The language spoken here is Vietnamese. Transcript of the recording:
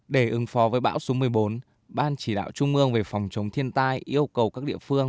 để ứng phó với bão số một mươi bốn ban chỉ đạo trung ương về phòng chống thiên tai yêu cầu các địa phương